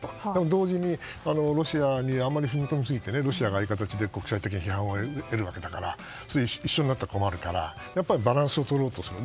同時にロシアにあまり踏み込みすぎてロシアが国際的に批判を浴びるわけだから一緒になったら困るからバランスをとろうとする。